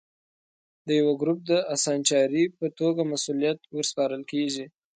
د یوه ګروپ د اسانچاري په توګه مسوولیت ور سپارل کېږي.